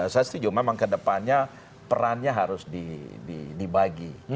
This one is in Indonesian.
saya setuju memang kedepannya perannya harus dibagi